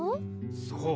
そう。